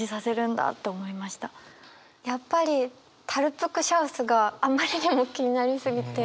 やっぱり「タルップ・ク・シャウス」があまりにも気になりすぎて。